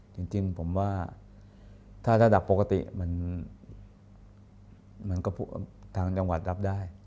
จริงผมว่าถ้าระดับปกติมันก็ทางจังหวัดรับได้